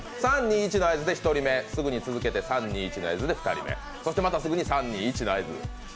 ３、２、１の合図で１人目、続けて３、２、１の合図で２人目、そして、またすぐに３、２、１の合図。